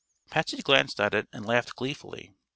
Patsy glanced at it and laughed gleefully.